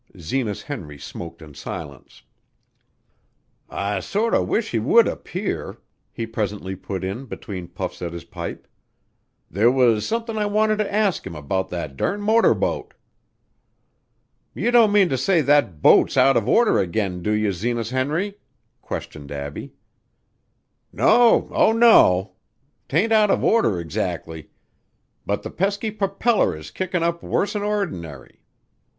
Zenas Henry smoked in silence. "I sorter wish he would appear," he presently put in, between puffs at his pipe. "There was somethin' I wanted to ask him about that durn motor boat." "You don't mean to say that boat's out of order again, do you, Zenas Henry?" questioned Abbie. "No, oh, no! 'Tain't out of order exactly. But the pesky propeller is kickin' up worse'n ordinary.